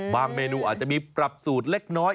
เมนูอาจจะมีปรับสูตรเล็กน้อย